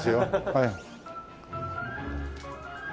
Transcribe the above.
はい。